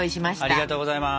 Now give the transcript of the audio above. ありがとうございます。